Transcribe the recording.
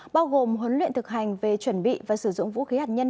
bao gồm huấn luyện thực hành về chuẩn bị và sử dụng vũ khí hạt nhân